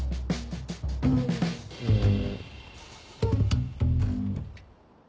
うん。